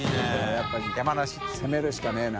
やっぱり山梨攻めるしかねぇな。